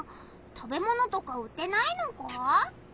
食べ物とか売ってないのか？